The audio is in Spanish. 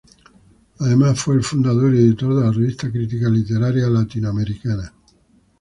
Además fue el fundador y editor de la "Revista de Crítica Literaria Latinoamericana".